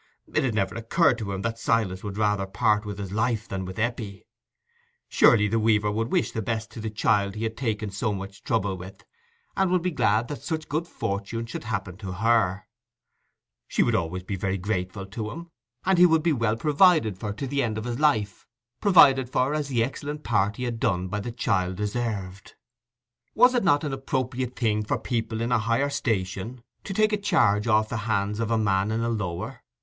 It had never occurred to him that Silas would rather part with his life than with Eppie. Surely the weaver would wish the best to the child he had taken so much trouble with, and would be glad that such good fortune should happen to her: she would always be very grateful to him, and he would be well provided for to the end of his life—provided for as the excellent part he had done by the child deserved. Was it not an appropriate thing for people in a higher station to take a charge off the hands of a man in a lower?